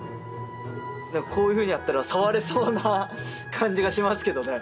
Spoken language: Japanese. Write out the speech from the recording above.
何かこういうふうにやったら触れそうな感じがしますけどね。